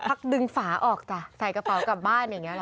ดึงฝาออกจ้ะใส่กระเป๋ากลับบ้านอย่างนี้หรอ